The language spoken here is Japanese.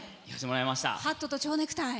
ハットとちょうネクタイ。